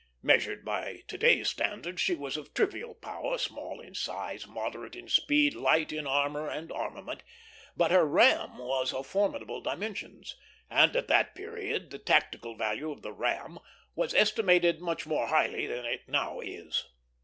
Measured by to day's standards she was of trivial power, small in size, moderate in speed, light in armor and armament; but her ram was of formidable dimensions, and at that period the tactical value of the ram was estimated much more highly than it now is.